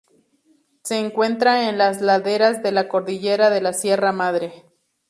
Se encuentra en las laderas de la cordillera de la Sierra Madre.